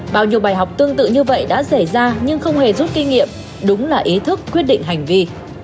bao nhiêu bài học tương tự như vậy đã xảy ra nhưng không hề rút kinh nghiệm đúng là ý thức quyết định hành vi